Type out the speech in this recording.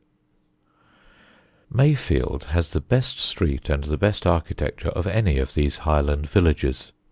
[Sidenote: SAINT DUNSTAN] Mayfield has the best street and the best architecture of any of these highland villages.